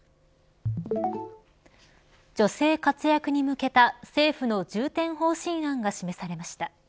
女性活躍に向けた、政府の重点方針案が示されました。